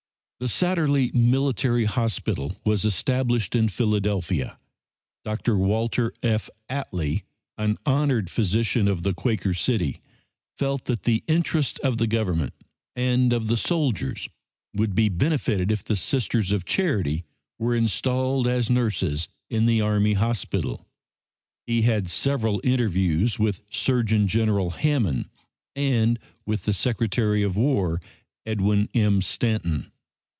The Satterlee Military Hospital was established in Philadelphia. Dr. Walter F. Atlee, an honored physician of the Quaker City, felt that the interests of the Government and of the soldiers would be benefited if the Sisters of Charity were installed as nurses in the army hospital. He had several interviews with Surgeon General Hammond and with the Secretary of War, Edwin M. Stanton.